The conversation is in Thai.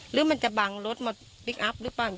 หรือมันจะบังรถมาพลิกอัพหรือเปล่า